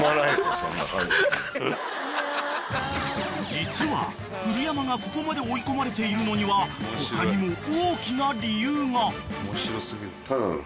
［実は古山がここまで追い込まれているのには他にも大きな理由が］